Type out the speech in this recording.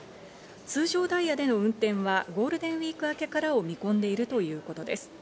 通常ダイヤでの運転はゴールデンウイーク明けからを見込んでいるということです。